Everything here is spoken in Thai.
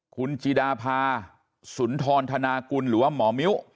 คุณจิดาพาสุนทรธนากุลหรือว่าหมอมิ้ว